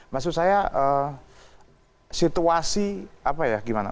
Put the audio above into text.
maksud saya situasi apa ya gimana